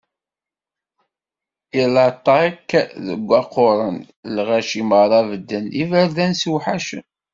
I laṭak deg waqquren, lɣaci merra bedden, iberdan sewḥacen.